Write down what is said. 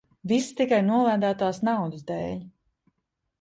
Viss tikai nolādētās naudas dēļ.